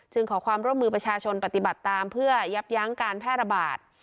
ขอความร่วมมือประชาชนปฏิบัติตามเพื่อยับยั้งการแพร่ระบาด